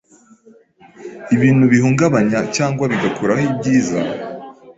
ibintu bihungabanya cyangwa bigakuraho ibyiza